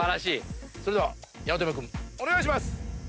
それでは八乙女君お願いします！